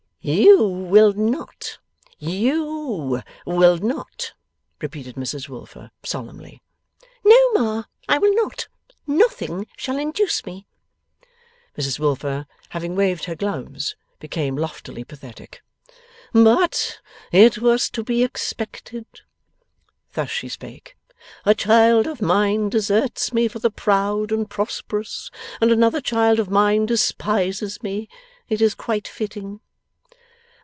'You will not? YOU will not?' repeated Mrs Wilfer, solemnly. 'No, Ma, I will not. Nothing shall induce me.' Mrs Wilfer, having waved her gloves, became loftily pathetic. 'But it was to be expected;' thus she spake. 'A child of mine deserts me for the proud and prosperous, and another child of mine despises me. It is quite fitting.